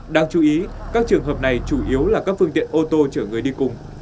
đáng chú ý các trường hợp này chủ yếu là các phương tiện ô tô chở người đi cùng